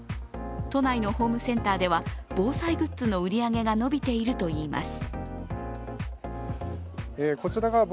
都内のホームセンターでは防災グッズの売り上げが伸びているといいます。